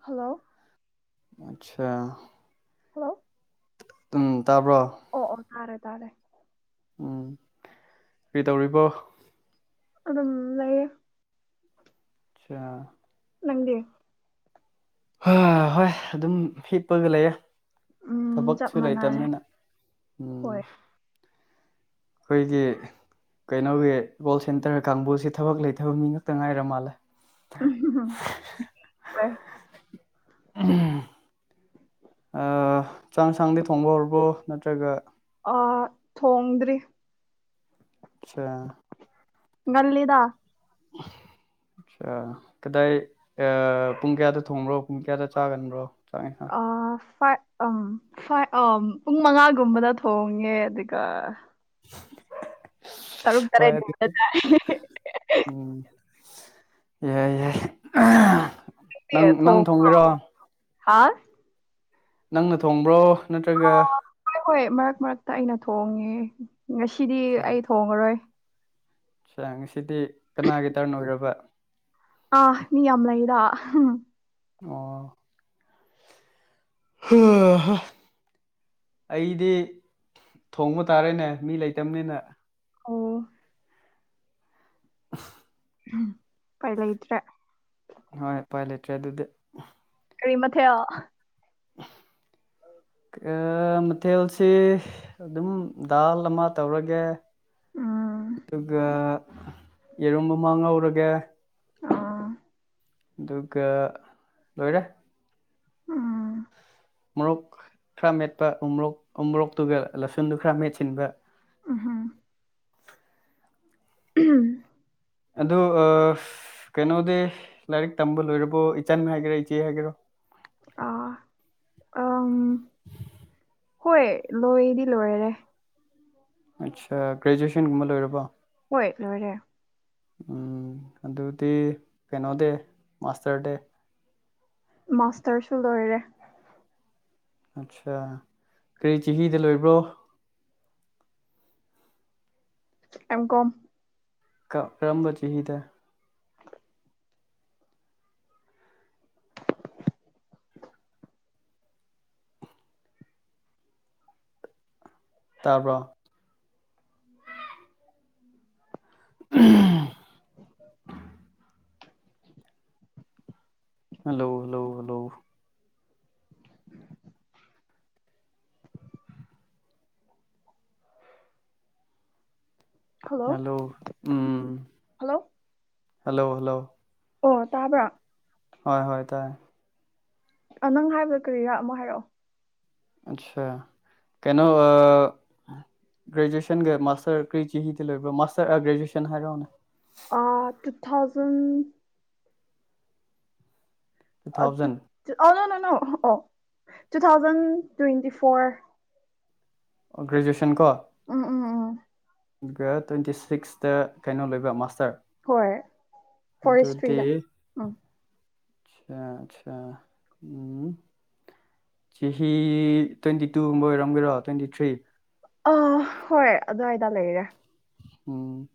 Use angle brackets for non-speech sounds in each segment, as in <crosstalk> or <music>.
hello ꯑꯠꯆꯥ hello ꯎꯝ ꯇꯥꯕ꯭ꯔꯣ ꯑꯣ ꯑꯣ ꯇꯥꯔꯦ ꯇꯥꯔꯦ ꯎꯝ ꯀꯔꯤꯇꯧꯔꯤꯕꯣ ꯑꯗꯨꯝ ꯂꯩꯌꯦ ꯑꯆꯥ ꯅꯪꯗꯤ ꯍ ꯍꯣꯏ ꯑꯗꯨꯝ ꯍꯤꯞꯄꯒ ꯂꯩꯌꯦ ꯎꯝ ꯆꯞ ꯊꯕꯛꯁꯨ ꯃꯥꯟꯅꯔꯦ ꯂꯩꯇꯕꯅꯤꯅ ꯎꯝ ꯍꯣꯏ ꯑꯈꯣꯏꯗꯤ ꯀꯩꯅꯣꯒꯤ ꯒꯣꯜ ꯁꯦꯟꯇꯔ ꯀꯥꯡꯕꯨꯁ ꯊꯕꯛ ꯂꯩꯊꯕ ꯃꯤ ꯉꯥꯛꯇ ꯉꯥꯏꯔ ꯃꯥꯜꯂꯦ ꯎꯝ ꯀ ꯎꯝ ꯑ ꯆꯥꯡ ꯁꯥꯡꯗꯤ ꯊꯣꯡꯕ ꯍꯧꯔꯕꯣ ꯅꯠꯇ꯭ꯔꯒ ꯑ ꯊꯣꯡꯗ꯭ꯔꯤ ꯑꯆꯥ ꯉꯜꯂꯤꯗ <inaudible> ꯑ ꯀꯗꯥꯏ ꯑ ꯄꯨꯡ ꯀꯌꯥꯗ ꯊꯣꯡꯕ꯭ꯔꯣ ꯄꯨꯡ ꯀꯌꯥꯗ ꯆꯥꯒꯟꯕ꯭ꯔꯣ ꯆꯥꯛ ꯏꯁꯥꯡ ꯑ ꯐꯥꯏꯚ ꯑ ꯐꯥꯏꯚ ꯑꯥ ꯄꯨꯡ ꯃꯉꯥꯒꯨꯝꯕꯗ ꯊꯣꯡꯉꯦ ꯑꯗꯨꯒ <unintelligible> ꯇꯔꯨꯛ ꯍꯣꯏ ꯇꯔꯦꯠ ꯑꯗꯨꯗꯤ ꯀꯨꯝꯕꯗ ꯇꯥꯏ ꯎꯝ ꯌꯥꯏ ꯌꯥꯏ ꯅꯪꯗꯤ ꯅꯪ ꯅꯪ ꯊꯣꯡꯕ꯭ꯔꯣ ꯊꯣꯡꯒꯦꯔꯣ ꯍꯥ ꯅꯪꯅ ꯊꯣꯡꯕ꯭ꯔꯣ ꯅꯠꯇ꯭ꯔꯒ ꯍꯣꯏ ꯍꯣꯏ ꯃꯔꯛ ꯃꯔꯛꯇ ꯑꯩꯅ ꯊꯣꯡꯉꯦ ꯉꯁꯤꯗꯤ ꯑꯩ ꯊꯣꯉꯔꯣꯏ ꯑꯆꯥ ꯉꯁꯤꯗꯤ ꯀꯅꯥꯒꯤ ꯇꯔꯟ ꯑꯣꯏꯔꯕ ꯑ ꯃꯤ ꯌꯥꯝ ꯂꯩꯗ ꯑꯣ ꯍꯥ ꯍꯥ ꯑꯩꯗꯤ ꯊꯣꯡꯕ ꯇꯥꯔꯦꯅꯦ ꯃꯤ ꯂꯩꯇꯕꯅꯤꯅ ꯑꯣ <inaudible> ꯄꯥꯏ ꯂꯩꯇ꯭ꯔꯦ ꯍꯣꯏ ꯄꯥꯏ ꯂꯩꯇ꯭ꯔꯦ ꯑꯗꯨꯗꯤ ꯀꯔꯤ ꯃꯊꯦꯜ <inaudible> ꯑ ꯃꯊꯦꯜꯁꯤ ꯑꯗꯨꯝ ꯗꯥꯜ ꯑꯃ ꯇꯧꯔꯒꯦ ꯎꯝ ꯗꯨꯒ ꯌꯦꯔꯨꯝ ꯑꯃꯥ ꯉꯧꯔꯒꯦ ꯑꯥ ꯗꯨꯒ ꯂꯣꯏꯔꯦ ꯎꯝ ꯃꯣꯔꯣꯛ ꯈꯔ ꯃꯦꯠꯄ ꯎꯣꯃꯣꯔꯣꯛ ꯎꯣꯃꯣꯔꯣꯛꯇꯨꯒ ꯂꯁꯟꯗꯨ ꯈꯔ ꯃꯦꯠꯁꯤꯟꯕ ꯎꯝꯍꯨꯝ ꯎꯝ ꯑꯗꯨ ꯑ ꯀꯩꯅꯣꯗꯤ ꯂꯥꯏꯔꯤꯛ ꯇꯝꯕ ꯂꯣꯏꯔꯕꯣ ꯏꯆꯟ ꯍꯥꯏꯒꯦꯔꯥ ꯏꯆꯦ ꯍꯥꯏꯒꯦꯔꯣ ꯑꯥ ꯑꯝ ꯍꯣꯏ ꯂꯣꯏꯗꯤ ꯂꯣꯏꯔꯦ ꯑꯠꯁꯥ ꯒ꯭ꯔꯦꯖꯨꯑꯦꯁꯟꯒꯨꯝꯕ ꯂꯣꯏꯔꯕꯣ ꯍꯣꯏ ꯂꯣꯏꯔꯦ ꯎꯝ ꯑꯗꯨꯗꯤ ꯀꯩꯅꯣꯗꯤ ꯃꯥꯁꯇꯔ ꯗꯤ ꯃꯥꯁꯇꯔꯁꯨ ꯂꯣꯏꯔꯦ ꯑꯠꯁꯥ ꯀ꯭ꯔꯤ ꯆꯍꯤꯗ ꯂꯣꯏꯕ꯭ꯔꯣ ꯑꯦꯝ ꯀꯣꯝ ꯀ ꯀꯔꯝꯕ ꯆꯍꯤꯗ ꯇꯥꯕ꯭ꯔꯣ ꯎꯝ hello hello hello hello hello ꯎꯝ ꯍꯜꯂꯣ ꯍꯜꯂꯣ ꯍꯜꯂꯣ ꯑꯣ ꯇꯥꯕ꯭ꯔꯥ ꯍꯣꯏ ꯍꯣꯏ ꯇꯥꯏ ꯅꯪ ꯍꯥꯏꯕ ꯀꯔꯤꯔ ꯑꯃꯣ ꯍꯥꯏꯔꯑꯣ ꯑꯆꯥꯥ ꯀꯩꯅꯣ ꯑꯥ ꯒ꯭ꯔꯦꯖꯨꯑꯦꯁꯟꯒ ꯃꯥꯁꯇꯔ ꯀ꯭ꯔꯤ ꯆꯍꯤꯗ ꯂꯣꯏꯕ ꯃꯥꯁꯇꯔ ꯑ ꯒ꯭ꯔꯦꯖꯨꯑꯦꯁꯟ ꯍꯥꯏꯔꯧꯅꯦ ꯑꯥ ꯇꯨ ꯊꯥꯎꯖꯟ ꯑꯥ ꯇꯨ ꯇꯨ ꯑꯣ ꯅꯣ ꯅꯣ ꯅꯣ ꯑꯣ ꯇꯨ ꯊꯥꯎꯖꯟ ꯇ꯭ꯋꯦꯟꯇꯤ ꯐꯣꯔ ꯑꯣ ꯒꯦꯖꯨꯌꯦꯁꯟ ꯀꯣ ꯎꯝ ꯎꯝ ꯎꯝ ꯗꯨꯒ ꯇ꯭ꯋꯦꯟꯇꯤ ꯁꯤꯛꯁꯇ ꯀꯩꯅꯣ ꯂꯣꯏꯕ ꯃꯥꯁꯇꯔ ꯍꯣꯏ ꯑꯗꯨꯗꯤ ꯐꯣꯔꯦꯁꯇ꯭ꯔꯤꯗ ꯎꯝ ꯁꯥ ꯑꯆꯥ ꯎꯝ ꯆꯤꯍꯤ ꯇ꯭ꯋꯦꯟꯇꯤ ꯇꯨꯒꯨꯝꯕ ꯑꯣꯏꯔꯝꯒꯦꯔꯣ ꯇ꯭ꯋꯦꯟꯇꯤ ꯊ꯭ꯔꯤ ꯑ ꯍꯣꯏ ꯑꯗ꯭ꯋꯥꯏꯗ ꯂꯩꯔꯦ ꯎꯝ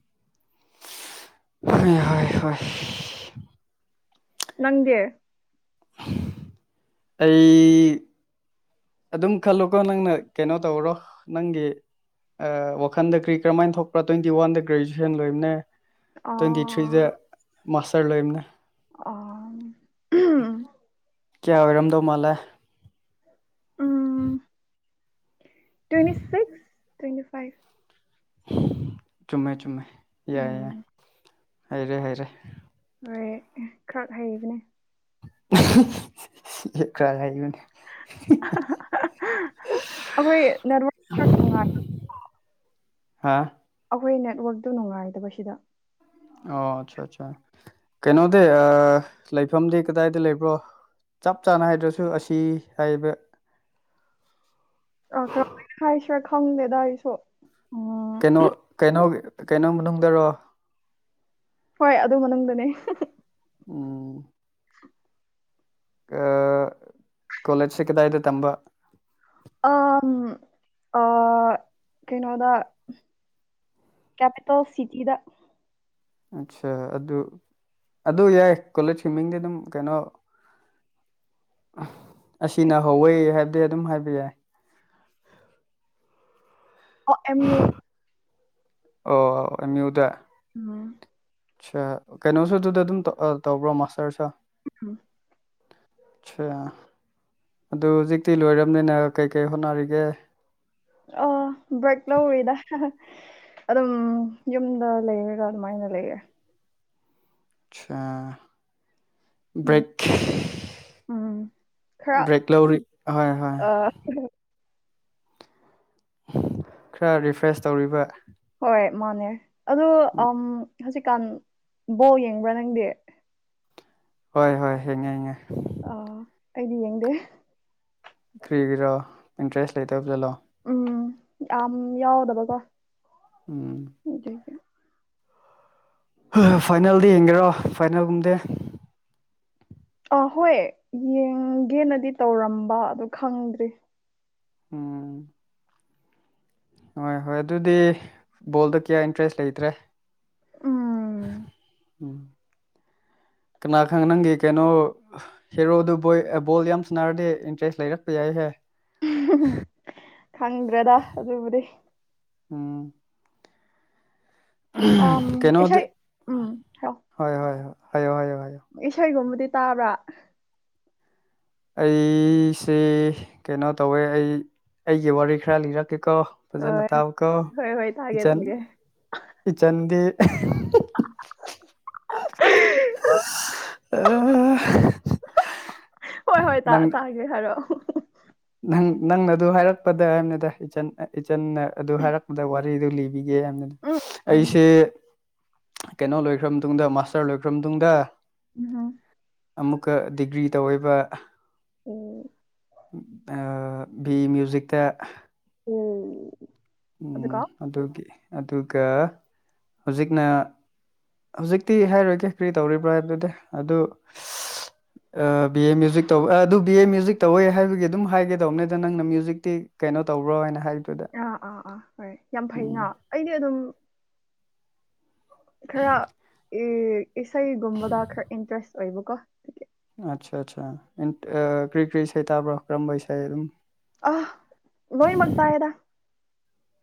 ꯍ ꯍꯣꯏ ꯍꯣꯏ ꯅꯪꯗꯤ ꯑꯩ ꯑꯗꯨꯝ ꯈꯜꯂꯨꯀꯣ ꯅꯪꯅ ꯀꯩꯅꯣ ꯇꯧꯔꯣ ꯅꯪꯒꯤ ꯋꯥꯈꯟꯗ ꯀ꯭ꯔꯤ ꯀꯔꯝꯥꯏꯅ ꯊꯣꯛꯄ꯭ꯔꯥ ꯇ꯭ꯋꯦꯟꯇꯤ ꯋꯥꯟꯗ ꯒ꯭ꯔꯦꯖꯨꯑꯦꯁꯟ ꯂꯣꯏꯕꯅꯦ ꯑ ꯇ꯭ꯋꯦꯇꯤ ꯊ꯭ꯔꯤꯗ ꯃꯥꯁꯇꯔ ꯂꯣꯏꯕꯅꯦ ꯑꯣ ꯀꯌꯥ ꯑꯣꯏꯔꯝꯗꯧ ꯃꯥꯜꯂꯦ ꯇ꯭ꯋꯦꯟꯇꯤ ꯁꯤꯛꯁ ꯇ꯭ꯋꯦꯟꯇꯤ ꯐꯥꯏꯚ ꯆꯨꯝꯃꯦ ꯆꯨꯝꯃꯦ ꯌꯥꯏ ꯌꯥꯏ ꯎꯝ ꯍꯩꯔꯦ ꯍꯩꯔꯦ ꯍꯣꯏ ꯈꯔ ꯍꯩꯕꯅꯦ <unintelligible> ꯈꯔ ꯍꯩꯕꯅꯦ ꯑꯩꯈꯣꯏ ꯅꯔ ꯍꯥꯥ ꯑꯩꯈꯣꯏ ꯅꯦꯠꯋꯥꯛꯇꯨ ꯅꯨꯡꯉꯥꯏꯗꯕꯁꯤꯗ ꯑꯣ ꯑꯠꯁꯥ ꯑꯠꯁꯥ ꯀꯩꯅꯣꯗꯤ ꯂꯩꯐꯝꯗꯤ ꯀꯗꯥꯏꯗ ꯂꯩꯕ꯭ꯔꯣ ꯆꯞ ꯆꯥꯅ ꯍꯥꯏꯗ꯭ꯔꯁꯨ ꯑꯁꯤ ꯍꯥꯏꯕ ꯑ ꯀꯔꯝꯃꯩꯅ ꯍꯥꯏꯁꯤꯔꯥ ꯈꯪꯗꯦꯑꯩꯁꯨ ꯀꯩꯅꯣ ꯀꯩꯅꯣ ꯀꯩꯅꯣ ꯃꯅꯨꯡꯗꯔꯣ ꯍꯣꯏ ꯑꯗꯨ ꯃꯅꯨꯡꯗꯅꯦ ꯎꯝ ꯀ ꯀꯣꯂꯦꯖꯁꯦ ꯀꯗꯥꯏꯗ ꯇꯝꯕ ꯑꯥꯝ ꯑꯥ ꯀꯩꯅꯣꯗ ꯀꯦꯄꯤꯇꯦꯜ ꯁꯤꯇꯤꯗ ꯑꯠꯆꯥ ꯑꯗꯨ ꯑꯗꯨ ꯌꯥꯏ ꯀꯣꯂꯦꯖꯀꯤ ꯃꯤꯡꯗꯤ ꯑꯗꯨꯝ ꯀꯩꯅꯣ ꯑꯁꯤꯅ ꯍꯧꯋꯦ ꯍꯥꯏꯕꯗꯤ ꯑꯗꯨꯝ ꯍꯥꯏꯕ ꯌꯥꯏ ꯑꯣ ꯑꯦꯝ ꯌꯨꯗ ꯑꯣ ꯑꯦꯝ ꯌꯨꯗ ꯎꯝ ꯁꯥ ꯀꯩꯅꯣꯁꯨ ꯗꯨꯗ ꯑꯗꯨꯝ ꯇꯧꯕ꯭ꯔꯣ ꯃꯥꯁꯇꯔꯁꯨ ꯎꯝ ꯁꯥ ꯑꯗꯨ ꯍꯧꯖꯤꯛꯇꯤ ꯂꯣꯏꯔꯕꯅꯤꯅ ꯀꯩꯀꯩ ꯍꯣꯠꯅꯔꯤꯒꯦ ꯑꯥ ꯕ꯭ꯔꯦꯛ ꯂꯧꯔꯤꯗ ꯑꯗꯨꯝ ꯌꯨꯝꯗ ꯂꯩꯔꯒ ꯑꯗꯨꯃꯥꯏꯅ ꯂꯩꯔꯦ ꯁꯥ ꯎꯝ ꯕ꯭ꯔꯦꯛ ꯎꯝ ꯈꯔ ꯕ꯭ꯔꯦꯛ ꯂꯧꯔꯤ ꯍꯣꯏ ꯍꯣꯏ ꯑ ꯈ꯭ꯔꯥ ꯔꯤꯐ꯭ꯔꯦꯁ ꯇꯧꯔꯤꯕ ꯍꯣꯏ ꯃꯥꯅꯦ ꯑꯗꯨ ꯍꯧꯖꯤꯛꯀꯥꯟ ꯕꯣꯜ ꯌꯦꯡꯕ꯭ꯔꯥ ꯅꯪꯗꯤ ꯍꯣꯏ ꯍꯣꯏ ꯍꯦꯡꯉꯦ ꯍꯦꯡꯉꯦ ꯑꯣ ꯑꯩꯗꯤ ꯌꯦꯡꯗꯦ ꯀ꯭ꯔꯤꯒꯤꯔꯣ ꯏꯟꯇ꯭ꯔꯦꯁ ꯂꯩꯇꯕ ꯖꯥꯠꯂꯣ ꯎꯝ ꯌꯥꯝ ꯌꯥꯎꯗꯕꯀꯣ ꯎꯝ ꯑꯗꯨꯒꯤ ꯍ ꯐꯥꯏꯅꯦꯜꯗꯤ ꯌꯦꯡꯒꯦꯔꯣ ꯐꯥꯏꯅꯦꯜꯒꯨꯝꯗꯦ ꯑ ꯍꯣꯏ ꯌꯦꯡꯒꯦꯅꯗꯤ ꯇꯧꯔꯝꯕ ꯑꯗꯨ ꯈꯪꯗ꯭ꯔꯤ ꯎꯝ ꯍꯣꯏ ꯍꯣꯏ ꯑꯗꯨꯗꯤ ꯕꯣꯜꯗ ꯀꯌꯥ ꯏꯟꯇ꯭ꯔꯦꯁ ꯂꯩꯇ꯭ꯔꯦ ꯎꯝ ꯎꯝ ꯀꯅꯥ ꯈꯪ ꯅꯪꯒꯤ ꯀꯩꯅꯣ ꯍꯦꯔꯣꯗꯨ ꯕꯣꯏ ꯕꯣꯜ ꯌꯥꯝ ꯁꯥꯟꯅꯔꯗꯤ ꯏꯟꯇ꯭ꯔꯦꯁ ꯂꯩꯔꯛꯄ ꯌꯥꯏꯍꯦ ꯈꯪꯗ꯭ꯔꯦꯗ ꯑꯗꯨꯕꯨꯗꯤ ꯎꯝ ꯑꯝ ꯀꯩꯅꯣꯗꯤ ꯏꯁꯩ ꯎꯝ ꯍꯥꯏꯌꯣ ꯍꯣꯏ ꯍꯣꯏ ꯍꯣꯏ ꯍꯥꯏꯌꯣ ꯍꯥꯏꯌꯣ ꯍꯥꯏꯌꯣ ꯏꯁꯩꯒꯨꯝꯕꯗꯤ ꯇꯥꯕ꯭ꯔꯥ ꯑꯩꯁꯦ ꯀꯩꯅꯣ ꯇꯧꯋꯦ ꯑꯩ ꯑꯩꯒꯤ ꯋꯥꯔꯤ ꯈ꯭ꯔ ꯂꯤꯔꯛꯀꯦꯀꯣ ꯐꯖꯅ ꯍꯣꯏ ꯇꯥꯎꯀꯣ ꯍꯣꯏ ꯍꯣꯏ ꯇꯥꯒꯦ ꯏꯆꯟ ꯇꯥꯒꯦ ꯏꯆꯟꯗꯤ ꯑ <unintelligible> ꯍꯣꯏ ꯍꯣꯏ ꯇꯥ ꯇꯥꯒꯦ ꯍꯥꯏꯔꯛꯑꯣ ꯅꯪ ꯅꯪꯅ ꯑꯗꯨ ꯍꯥꯏꯔꯛꯄꯗ ꯍꯥꯏꯅꯤꯗ ꯢꯆꯟ ꯏꯆꯟꯅ ꯑꯗꯨ ꯍꯥꯏꯔꯛꯄꯗ ꯋꯥꯔꯤꯗꯨ ꯂꯤ ꯂꯤꯒꯦ ꯌꯥꯝꯅꯤꯗ ꯎꯝ ꯎꯝ ꯑꯩꯁꯦ ꯀꯩꯅꯣ ꯂꯣꯏꯈ꯭ꯔ ꯃꯇꯨꯡꯗ ꯃꯥꯁꯇꯔ ꯂꯣꯏꯈ꯭ꯔ ꯃꯇꯨꯡꯗ ꯎꯝ ꯍꯝ ꯑꯃꯨꯛꯀ ꯗꯤꯒ꯭ꯔꯤ ꯇꯧꯋꯦꯕ ꯑꯣ ꯑ ꯕꯤ ꯃꯌꯨꯖꯤꯛ ꯇꯥ ꯎꯃ ꯎꯝ ꯑꯗꯨꯒꯤ ꯑꯗꯨꯒ ꯍꯧꯖꯤꯛꯅ ꯍꯧꯖꯤꯛꯇꯤ ꯍꯥꯏꯔꯣꯏꯒꯦ ꯀꯔꯤ ꯇꯧꯔꯤꯕ꯭ꯔꯥ ꯍꯥꯏꯕꯗꯨꯗꯤ ꯑꯗꯨ <unintelligible> ꯑꯥ ꯕꯤ ꯑꯦ ꯃ꯭ꯌꯨꯖꯤꯛ ꯇꯧꯕ ꯑꯥ ꯑꯗꯨ ꯕꯤ ꯑꯦ ꯃ꯭ꯌꯨꯖꯤꯛ ꯇꯧꯋꯦ ꯍꯥꯏꯕꯒꯤ ꯑꯗꯨꯝ ꯍꯥꯏꯒꯦ ꯇꯧꯕꯅꯦꯗ ꯅꯪꯅ ꯃ꯭ꯌꯨꯖꯤꯛꯇꯤ ꯀꯩꯅꯣ ꯇꯧꯕ꯭ꯔꯣ ꯍꯥꯏꯅ ꯍꯥꯏꯔꯤꯗꯨꯗ ꯑꯥ ꯑꯥ ꯑꯥ ꯍꯣꯏ ꯌꯥꯝ ꯐꯩꯅꯥ ꯑꯩꯗꯤ ꯑꯗꯨꯝ ꯈꯔ ꯑꯦ ꯏꯁꯩꯒꯨꯝꯕꯗ ꯈꯔ ꯏꯟꯇꯔꯦꯁ ꯑꯣꯏꯕꯀꯣ ꯑꯆꯥ ꯑꯆꯥ ꯏꯟ ꯑꯥ ꯀ꯭ꯔꯤ ꯀ꯭ꯔꯤ ꯏꯁꯩ ꯇꯥꯕꯔꯥ ꯀꯔꯝꯕꯥ ꯏꯁꯩ ꯑꯗꯨꯝ ꯑꯥ ꯂꯣꯏꯃꯛ ꯇꯥꯏꯗ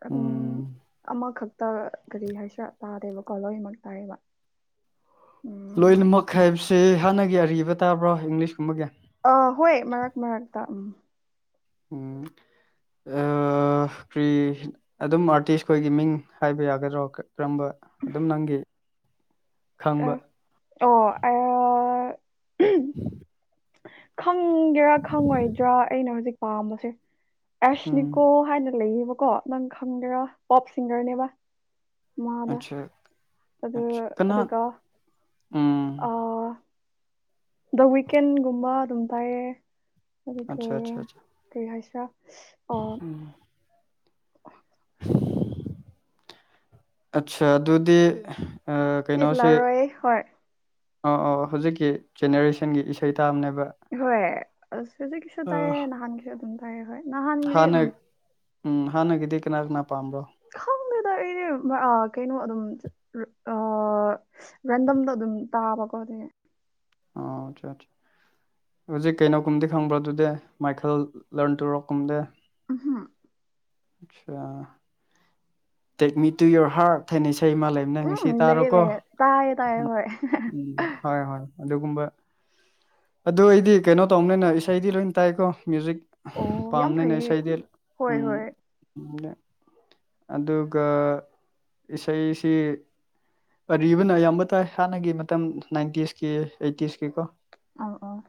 ꯑꯗꯨꯝ ꯎꯝ ꯑꯃꯈꯛꯇ ꯀꯔꯤ ꯍꯥꯏꯁꯤꯔꯥ ꯇꯥꯗꯦꯕꯀꯣ ꯂꯣꯏꯃꯛ ꯇꯥꯏꯌꯦꯕ ꯎꯝ ꯂꯣꯏꯅꯃꯛ ꯍꯥꯏꯕꯁꯦ ꯍꯥꯟꯅꯒꯤ ꯑꯔꯤꯕ ꯇꯥꯕ꯭ꯔꯣ ꯏꯪꯂꯤꯁꯀꯨꯝꯕꯒꯤ ꯑꯥ ꯍꯣꯏ ꯃꯔꯛ ꯃꯔꯛꯇꯥ ꯎꯝ ꯎꯝ ꯑꯥ ꯑꯥ ꯀꯔꯤ ꯑꯗꯨꯝ ꯑꯥꯔꯇꯤꯁ ꯈꯣꯏꯒꯤ ꯃꯤꯡ ꯍꯥꯏꯕ ꯌꯥꯒꯗ꯭ꯔꯣ ꯀꯔꯝꯕ ꯑꯗꯨꯝ ꯅꯪꯒꯤ ꯈꯪꯕ ꯑ ꯑꯣ ꯑꯥ <unintelligible> ꯈꯪꯒꯦꯔꯥ ꯈꯪꯉꯣꯏꯗ꯭ꯔꯥ ꯑꯩꯅ ꯍꯧꯖꯤꯛ ꯄꯥꯝꯕꯁꯦ ꯑꯦꯁꯅꯤꯀꯣ ꯎꯝ ꯍꯥꯏꯅ ꯂꯩꯌꯦꯕꯀꯣ ꯅꯪ ꯈꯪꯒꯦꯔꯥ ꯄꯣꯞ ꯁꯤꯡꯒꯔꯅꯦꯕ ꯃꯗꯨ ꯑꯆꯥ ꯑꯗꯨ ꯑꯆꯥ ꯀꯅꯥ ꯑꯗꯨꯒ ꯎꯝ ꯑꯥ ꯗ ꯋꯤꯀꯦꯟꯒꯨꯝꯕ ꯑꯗꯨꯝ ꯇꯥꯏꯌꯦ ꯑꯗꯨꯒ ꯑꯆꯥ ꯑꯆꯥ ꯑꯆꯥ ꯀꯔꯤ ꯍꯥꯌꯁꯤꯔꯥ ꯑ ꯎꯝ <unintelligible> ꯑꯇꯆꯥ ꯑꯗꯨꯗꯤ ꯑꯥ ꯀꯤꯠ ꯀꯩꯅꯣꯁꯦ ꯂꯥꯔꯣꯏ ꯍꯣꯏ ꯑꫭ ꯑꫭ ꯍꯧꯖꯤꯛꯀꯤ ꯖꯦꯅꯦꯔꯦꯁꯟꯒꯤ ꯏꯁꯩ ꯇꯥꯕꯅꯦꯕ ꯍꯣꯏ ꯍꯧꯖꯤꯛꯁꯨ ꯇꯥꯏꯌꯦ ꯅꯍꯥꯟꯁꯨ ꯑꯗꯨꯝ ꯇꯥꯏꯌꯦ ꯍꯣꯏ ꯅꯍꯥꯟꯒꯤꯗꯤ ꯍꯥꯟꯅ ꯎꯝ ꯎꯝ ꯍꯥꯟꯅꯒꯤꯗꯤ ꯀꯅꯥ ꯀꯅꯥ ꯄꯥꯝꯕ ꯈꯪꯗꯦꯗ ꯑꯩꯗꯤ ꯑ ꯀꯩꯅꯣ ꯑꯗꯨꯝ ꯑ ꯔꯦꯟꯗꯝꯗꯣ ꯑꯗꯨꯝ ꯇꯥꯕꯀꯣ ꯑꯗꯨꯒꯤ ꯑꯣ ꯑꯠꯆꯥ <unintelligible> ꯍꯧꯖꯤꯛ ꯀꯩꯅꯣꯒꯨꯝꯗꯤ ꯈꯪꯕ꯭ꯔꯗꯨꯗꯤ ꯃꯥꯏꯈꯜ <unintelligible> ꯒꯨꯝꯕꯗꯤ <unintelligible> ꯑꯆꯥ take me to your heart <unintelligible> ꯏꯁꯩ ꯑꯃ ꯅꯪ ꯉꯁꯤ ꯎꯝ ꯂꯩꯌꯦ ꯇꯥꯔꯣꯀꯣ ꯂꯩꯌꯦ ꯇꯥꯏꯌꯦ ꯇꯥꯏꯌꯦ ꯍꯣꯏ ꯎꯝ ꯍꯣꯏ ꯍꯣꯏ ꯑꯗꯨꯒꯨꯝꯕ ꯑꯗꯨ ꯑꯩꯗꯤ ꯀꯩꯅꯣ ꯇꯧꯅꯤꯅ ꯏꯁꯩꯗꯤ ꯂꯣꯏ ꯇꯥꯏꯀꯣ ꯃ꯭ꯌꯨꯖꯤꯛ ꯑꯣ ꯌꯥꯝ ꯄꯥꯝꯕꯅꯤꯅ ꯐꯩꯌꯦ ꯏꯁꯩꯗꯤ ꯍꯣꯏ ꯎꯝ ꯍꯣꯏ <unintelligible> ꯑꯗꯨꯒ ꯏꯁꯩꯁꯤ ꯑꯔꯤꯕꯅ ꯑꯌꯥꯝꯕ ꯇꯥꯏ ꯍꯥꯟꯅꯒꯤ ꯃꯇꯝ ꯅꯥꯏꯟꯇꯤꯁꯀꯤ ꯑꯥꯏꯇꯤꯁꯀꯤ ꯀꯣ ꯑꯧ ꯑꫭ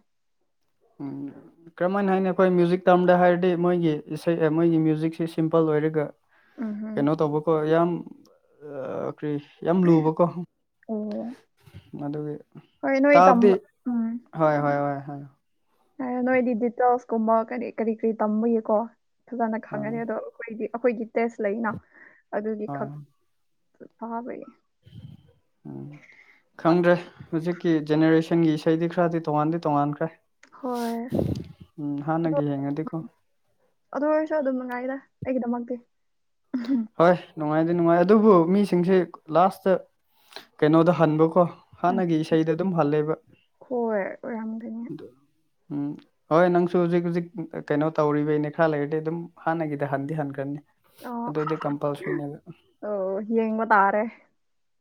ꯎꯝ ꯀꯔꯝꯍꯥꯏꯅ ꯍꯥꯏꯅꯤ ꯑꯩꯈꯣꯏ ꯃ꯭ꯌꯨꯖꯤꯛ ꯇꯥꯝꯗ ꯍꯥꯏꯔꯗꯤ ꯃꯣꯏꯒꯤ ꯏꯁꯩ ꯃꯣꯏꯒꯤ ꯃ꯭ꯌꯨꯖꯤꯛꯁꯤ ꯁꯤꯝꯄꯜ ꯑꯣꯏꯔꯒ ꯎꯝ ꯍꯨꯝ ꯀꯩꯅꯣ ꯇꯧꯕꯀꯣ ꯌꯥꯝ <unintelligible> ꯀ꯭ꯔꯤ ꯌꯥꯝ ꯂꯨꯕꯀꯣ ꯑꯣ ꯑꯗꯨꯒꯤ ꯍꯣꯏ ꯅꯣꯏ ꯇꯥꯕꯗꯤ ꯇꯝꯕ ꯎꯝ ꯍꯣꯏ ꯍꯣꯏ ꯍꯣꯏ ꯍꯣꯏ ꯅꯣꯏꯗꯤ ꯗꯤꯇꫭꯛꯁ ꯀꯨꯝꯕ ꯀꯔꯤ ꯀꯔꯤ ꯀꯔꯤ ꯇꯝꯕꯒꯤꯀꯣ ꯐꯖꯅ ꯈꯪꯒꯅꯤ ꯍꯣꯏ ꯑꯗꯣ ꯑꯩꯈꯣꯏꯗꯤ ꯑꯩꯈꯣꯏꯒꯤ ꯇꯦꯁ ꯂꯩꯅ ꯑꯗꯨꯒꯤ ꯍꯣꯏ ꯈꯛ ꯐꯥꯕꯒꯤ ꯎꯝ ꯈꯪꯗ꯭ꯔꯦ ꯍꯧꯖꯤꯛꯀꯤ ꯖꯦꯅꯦꯔꯦꯁꯟꯒꯤ ꯏꯁꯩꯗꯤ ꯈꯔꯗꯤ ꯇꯣꯉꯥꯟꯗꯤ ꯇꯣꯉꯥꯟꯈ꯭ꯔꯦ ꯍꯣꯏ ꯎꯝ ꯑꯗꯣ ꯍꯥꯟꯅꯒꯤ ꯌꯦꯡꯉꯗꯤꯀꯣ ꯑꯗꯨ ꯑꯣꯏꯔꯁꯨ ꯑꯗꯨꯝ ꯅꯨꯡꯉꯥꯏꯗ ꯑꯩꯒꯤꯗꯃꯛꯇꯤ ꯍꯣꯏ ꯅꯨꯡꯉꯥꯏꯗꯤ ꯅꯨꯡꯉꯥꯏ ꯑꯗꯨꯕꯨ ꯃꯤꯁꯤꯡꯁꯦ ꯂꯥꯁꯇ ꯀꯩꯅꯣꯗ ꯍꯟꯕꯀꯣ ꯎꯝ ꯍꯥꯟꯅꯒꯤ ꯏꯁꯩꯗ ꯑꯗꯨꯝ ꯍꯜꯂꯦꯕ ꯍꯣꯏ ꯑꯣꯏꯔꯝꯒꯅꯤ ꯎꯝ ꯍꯣꯏ ꯅꯪꯁꯨ ꯍꯧꯖꯤꯛ ꯍꯧꯖꯤꯛ ꯀꯩꯅꯣ ꯇꯧꯔꯤꯕꯩꯅꯦ ꯈꯔ ꯂꯩꯔꯗꯤ ꯑꯗꯨꯝ ꯍꯥꯟꯅꯒꯤꯗꯤ ꯍꯟꯗꯤ <unintelligible> ꯑ ꯑꯗꯨꯗꯤ ꯀꯝꯄꯜꯁꯔꯤꯅꯦꯕ ꯑꯣ ꯌꯦꯡꯕ ꯇꯥꯔꯦ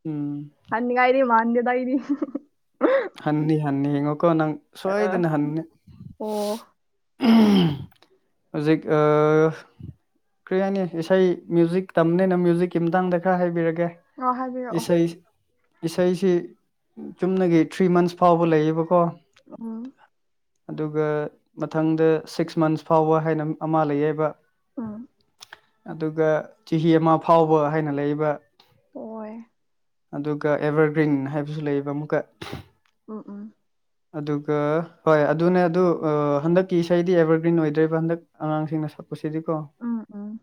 ꯎꯝ ꯍꯟꯅꯤꯉꯥꯏꯗꯤ ꯃꯥꯥꯟꯗꯦꯗ ꯑꯩꯗꯤ <unintelligible> ꯍꯟꯅꯤ ꯍꯟꯅꯤ ꯌꯦꯡꯉꯣꯀꯣ ꯅꯪ ꯑ ꯁꯣꯏꯗꯅ ꯍꯟꯅꯤ ꯑꯣ <unintelligible> ꯍꯧꯖꯤꯛ ꯑ ꯀꯔꯤ ꯍꯥꯏꯅꯤ ꯏꯁꯩ ꯃ꯭ꯌꯨꯖꯤꯛ ꯇꯝꯅꯤꯅ ꯃ꯭ꯌꯨꯖꯤꯛꯀꯤ ꯃꯇꯥꯡꯗ ꯈꯔ ꯍꯥꯏꯕꯤꯔꯛꯀꯦ ꯑ ꯍꯥꯏꯕꯤꯔꯛꯑꯣ ꯏꯁꯩ ꯏꯁꯩꯁꯤ ꯆꯨꯝꯅꯒꯤ ꯊ꯭ꯔꯤ ꯃꯟꯁ ꯐꯥꯎꯕ ꯂꯩꯌꯦꯕꯀꯣ ꯎꯝ ꯑꯗꯨꯒ ꯃꯊꯪꯗ ꯁꯤꯛꯁ ꯃꯟꯁ ꯐꯥꯎꯕ ꯍꯥꯏꯅ ꯑꯃ ꯂꯩꯌꯦꯕ ꯎꯝ ꯑꯗꯨꯒ ꯆꯍꯤ ꯑꯃ ꯐꯥꯎꯕ ꯍꯥꯏꯅ ꯂꯩꯕ ꯑꯣꯏ ꯑꯗꯨꯒ ꯑꯦꯚꯔꯒ꯭ꯔꯤꯟ ꯍꯥꯏꯕꯁꯨ ꯂꯩꯕ ꯑꯃꯨꯛꯀ ꯎꯝ ꯎꯝ ꯑꯗꯨꯒ ꯍꯣꯏ ꯑꯗꯨꯅꯦ ꯑꯗꯨ ꯍꯟꯗꯛꯀꯤ ꯏꯁꯩꯗꯤ ꯑꯦꯕꯔꯒ꯭ꯔꯤꯟ ꯑꯣꯏꯗ꯭ꯔꯦꯕ ꯍꯟꯗꯛ ꯑꯉꯥꯡꯁꯤꯡꯅ ꯁꯛꯄꯁꯤꯗꯤꯀꯣ ꯎꯝ ꯎꯝ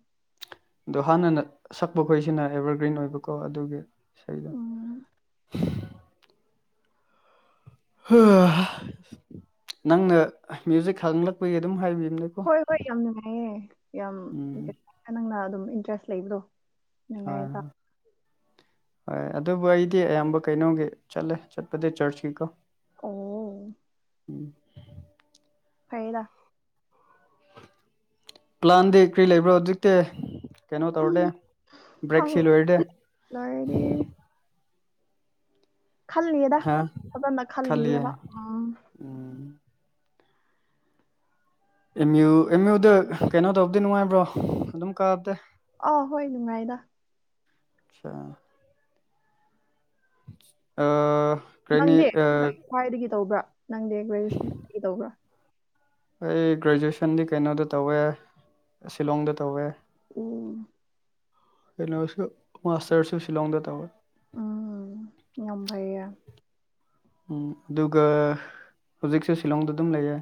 ꯑꯗꯣ ꯍꯥꯟꯅꯅ ꯁꯛꯄ ꯈꯣꯏꯁꯤꯅ ꯑꯦꯕꯔꯒ꯭ꯔꯤꯟ ꯑꯣꯏꯕꯀꯣ ꯑꯗꯨꯒꯤ ꯏꯁꯩꯗꯣ ꯎꯝ ꯅꯪꯅ ꯃꯌꯨꯖꯤꯛ ꯈꯪꯂꯛꯄꯒꯤ ꯑꯗꯨꯝ ꯍꯥꯏꯕꯅꯤꯗ ꯍꯣꯏ ꯍꯣꯏ ꯌꯥꯝ ꯅꯨꯡꯉꯥꯏꯌꯦ ꯌꯥꯝ ꯎꯝ <unintelligible> ꯅꯪꯅ ꯑꯗꯨꯝ ꯏꯟꯇꯔꯦꯁ ꯂꯩꯕꯗꯣ ꯍꯣꯢ ꯅꯨꯡꯉꯥꯏꯌꯦꯕ ꯍꯣꯢ ꯍꯣꯏ ꯑꯗꯨꯕꯨ ꯑꯩꯗꯤ ꯑꯌꯥꯝꯕ ꯀꯩꯅꯣꯒꯤ ꯆꯠꯂꯦ ꯆꯠꯄꯗꯤ ꯆꯔꯆꯒꯤꯀꯣ ꯑꯣ ꯐꯩꯗ ꯄ꯭ꯂꯥꯟꯗꯤ ꯀꯔꯤ ꯂꯩꯕ꯭ꯔꯣ ꯍꯧꯖꯤꯛꯇꯤ ꯀꯩꯅꯣ ꯎꯝ ꯇꯧꯔꯗꯤ ꯕ꯭ꯔꯦꯛ ꯁꯤ ꯂꯣꯏꯔꯗꯤ ꯂꯣꯏꯔꯗꯤ ꯈꯜꯂꯤꯌꯦꯗ ꯍꯥ ꯐꯖꯅ ꯈꯜꯂꯤꯌꯦ ꯈꯜꯂꯤꯌꯦꯕ ꯎꯝ ꯑꯦꯝ ꯌꯨ ꯑꯦꯝ ꯌꯨꯗ ꯀꯩꯅꯣ ꯇꯧꯕꯗꯤ ꯅꯨꯡꯉꯥꯏꯕ꯭ꯔꯣ ꯑꯗꯨꯝ ꯀꯥꯕꯗꯤ ꯑꯥꯎ ꯍꯣꯏ ꯅꯨꯡꯉꯥꯏꯗ ꯑꯆꯥ ꯑꯥ ꯀꯩꯅꯤ ꯅꯪꯗꯤ ꯀ꯭ꯋꯥꯏꯗꯒꯤ ꯇꯧꯕ꯭ꯔꯥ ꯅꯪꯗꯤ ꯒ꯭ꯔꯦꯖꯨꯋꯦꯁꯟꯗꯒꯤ ꯇꯧꯕ꯭ꯔꯥ ꯑꯩ ꯒ꯭ꯔꯦꯖꯨꯑꯦꯁꯟꯗꯤ ꯀꯩꯅꯣꯗ ꯇꯧꯋꯦ ꯁꯤꯂꯣꯡꯗ ꯇꯧꯋꯦ ꯑꯝ ꯀꯩꯅꯣꯁꯨ ꯃꯥꯁꯇꯔ ꯁꯨ ꯁꯤꯂꯣꯡꯗ ꯇꯧꯋꯦ ꯎꯝ ꯌꯥꯝ ꯐꯩꯌꯦ ꯎꯝ ꯑꯗꯨꯒ ꯍꯧꯖꯤꯛꯁꯨ ꯁꯤꯂꯣꯡꯗ ꯑꯗꯨꯝ ꯂꯩꯌꯦ